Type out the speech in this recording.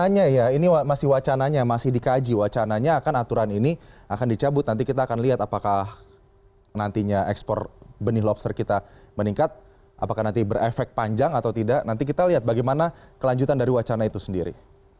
pertanyaannya ya ini masih wacananya masih dikaji wacananya akan aturan ini akan dicabut nanti kita akan lihat apakah nantinya ekspor benih lobster kita meningkat apakah nanti berefek panjang atau tidak nanti kita lihat bagaimana kelanjutan dari wacana itu sendiri